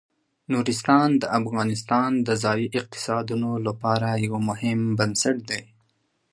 نورستان د افغانستان د ځایي اقتصادونو لپاره یو مهم بنسټ دی.